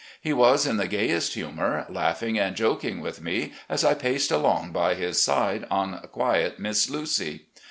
He was in the gayest humour, laughing and joking with me as I paced along by his side on quiet 'Miss Lucy.